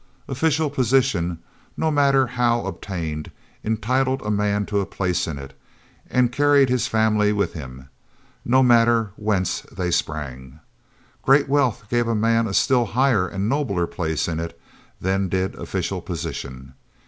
Official position, no matter how obtained, entitled a man to a place in it, and carried his family with him, no matter whence they sprang. Great wealth gave a man a still higher and nobler place in it than did official position.